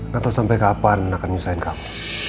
gak tahu sampai kapan akan nyusahin kamu